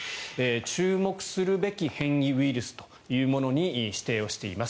注目するべき変異ウイルスというものに指定をしています。